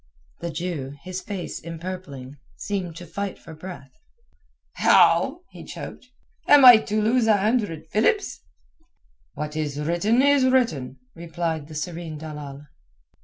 The Jew, his face empurpling, seemed to fight for breath "How?" he choked. "Am I to lose a hundred philips?" "What is written is written," replied the serene dalal.